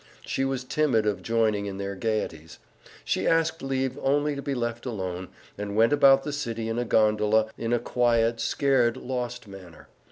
She was timid of joining in their gaieties. She asked leave only to be left alone, and went about the city in a gondola in a quiet, scared, lost manner.